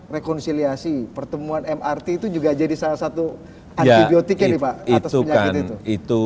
rekonsiliasi pertemuan mrt itu juga jadi salah satu antibiotiknya nih pak atas penyakit itu